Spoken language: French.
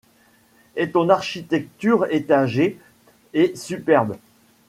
Et ton architecture étagée et superbe